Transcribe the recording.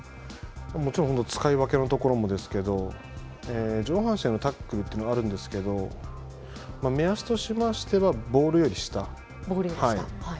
もちろん使い分けのところもですけど上半身へのタックルというのはあるんですけど目安としましてはボールより下。